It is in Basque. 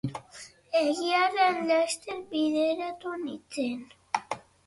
Egia erran, laster desbideratu nintzen.